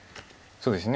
そうですね。